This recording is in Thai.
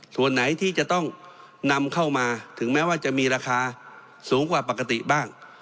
ส่วนไหนที่จะต้องนำเข้ามาถึงแม้ว่าจะมีราคาสูงกว่าปกติบ้าง